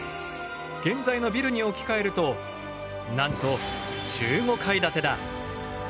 現在のビルに置き換えるとなんと１５階建てだ！